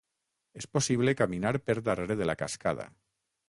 És possible caminar per darrere de la cascada.